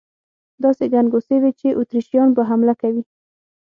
داسې ګنګوسې وې چې اتریشیان به حمله کوي.